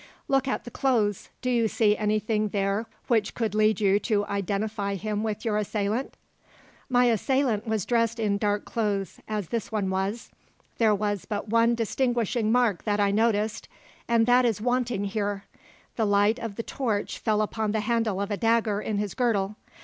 "Look at the clothes. Do you see anything there which could lead you to identify him with your assailant?" "My assailant was dressed in dark clothes, as this one was. There was but one distinguishing mark that I noticed, and this is wanting here. The light of the torch fell upon the handle of a dagger in his girdle.